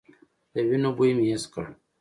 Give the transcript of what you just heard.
د وينو بوی مې حس کړ.